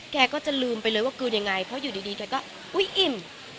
แกก็จะลืมไปเลยว่ากลืนยังไงเพราะอยู่ดีแกก็อุ๊ยอิ่ม